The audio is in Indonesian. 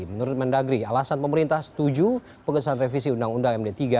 menurut mendagri alasan pemerintah setuju pengesahan revisi undang undang md tiga